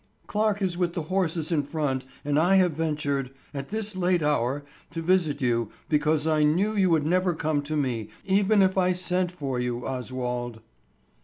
"Clarke is with the horses in front and I have ventured—at this late hour—to visit you, because I knew you would never come to me, even if I sent for you, Oswald."